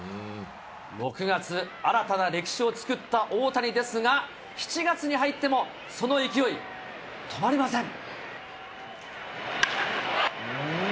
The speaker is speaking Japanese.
６月、新たな歴史を作った大谷ですが、７月に入ってもその勢い、止まりません。